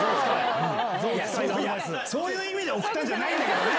そういう意味で送ったんじゃないんだけどね。